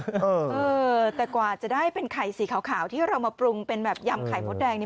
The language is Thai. เออแต่กว่าจะได้เป็นไข่สีขาวที่เรามาปรุงเป็นแบบยำไข่มดแดง